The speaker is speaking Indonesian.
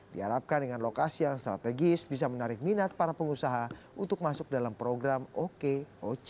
diharapkan dengan lokasi yang strategis bisa menarik minat para pengusaha untuk masuk dalam program okoc